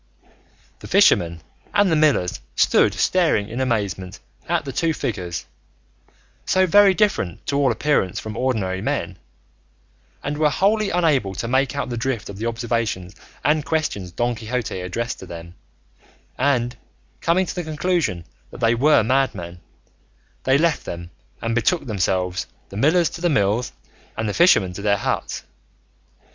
The fishermen and the millers stood staring in amazement at the two figures, so very different to all appearance from ordinary men, and were wholly unable to make out the drift of the observations and questions Don Quixote addressed to them; and coming to the conclusion that they were madmen, they left them and betook themselves, the millers to their mills, and the fishermen to their huts.